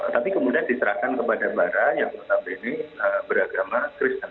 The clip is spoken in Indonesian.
tapi kemudian diserahkan kepada barat yang menampilkan beragama kristen